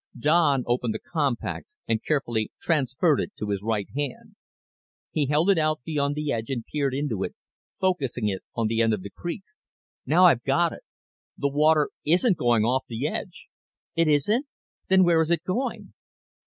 Don opened the compact and carefully transferred it to his right hand. He held it out beyond the edge and peered into it, focusing it on the end of the creek. "Now I've got it. The water isn't going off the edge!" "It isn't? Then where is it going?"